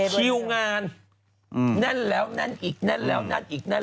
คิวงานแน่นแล้วแน่นอีก